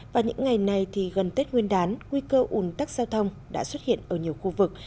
và những ngày này thì gần tết nguyên đán nguy cơ ủn tắc giao thông đã xuất hiện ở nhiều khu vực